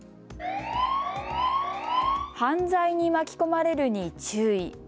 犯罪に巻き込まれるに注意。